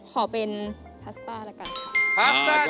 ขอเป็นพาสต้าละกันค่ะ